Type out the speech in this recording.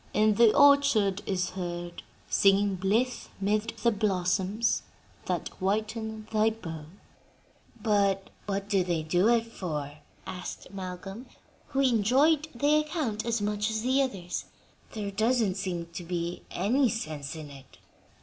In the orchard is heard Singing blithe 'mid the blossoms that whiten thy bough."'" "But what did they do it for?" asked Malcolm, who enjoyed the account as much as the others. "There doesn't seem to be any sense in it."